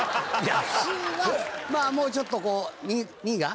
もうちょっとこう「二」が。